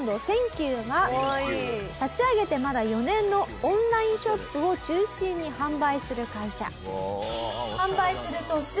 休は立ち上げてまだ４年のオンラインショップを中心に販売する会社。